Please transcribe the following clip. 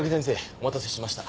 お待たせしました。